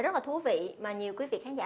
rất là thú vị mà nhiều quý vị khán giả